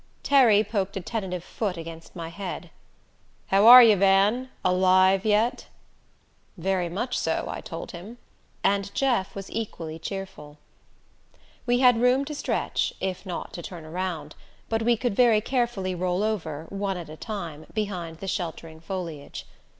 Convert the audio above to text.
Terry poked a tentative foot against my head. "How are you, Van? Alive yet?" "Very much so," I told him. And Jeff was equally cheerful. We had room to stretch, if not to turn around; but we could very carefully roll over, one at a time, behind the sheltering foliage.